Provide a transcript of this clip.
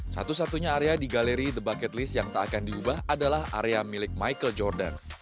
satu satunya area di galeri the bucket list yang tak akan diubah adalah area milik michael jordan